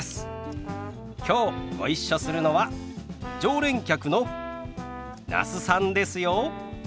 きょうご一緒するのは常連客の那須さんですよ。